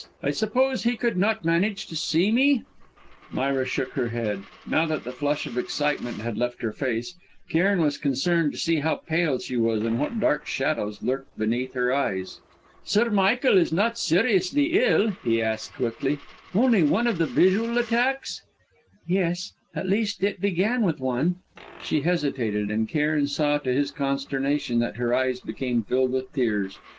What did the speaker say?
I suppose he could not manage to see me " Myra shook her head. Now that the flush of excitement had left her face, Cairn was concerned to see how pale she was and what dark shadows lurked beneath her eyes. "Sir Michael is not seriously ill?" he asked quickly. "Only one of the visual attacks " "Yes at least it began with one." She hesitated, and Cairn saw to his consternation that her eyes became filled with tears.